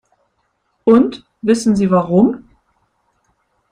Und wissen Sie warum?